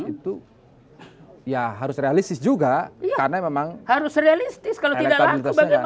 itu ya harus realistis juga karena memang harus realistis kalau terlalu bagaimana ensuite di